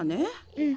うん。